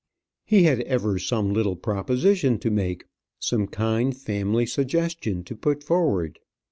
He had ever some little proposition to make, some kind family suggestion to put forward.